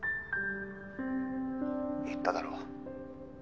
言っただろ。